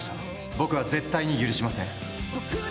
僕は絶対に許しません。